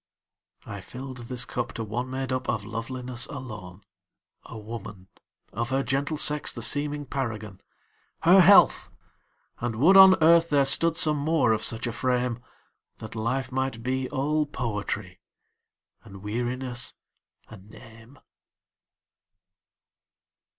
I filled this cup to one made up of loveliness alone,A woman, of her gentle sex the seeming paragon—Her health! and would on earth there stood some more of such a frame, That life might be all poetry, and weariness a name.